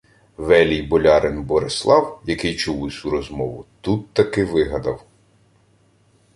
Велій болярин Борислав, який чув усю розмову, тут-таки вигадав: